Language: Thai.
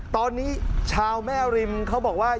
ตอนนี้ชาวแม่ริมเขาบอกว่า